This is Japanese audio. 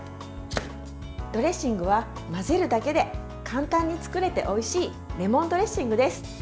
ドレッシングは混ぜるだけで簡単に作れておいしいレモンドレッシングです。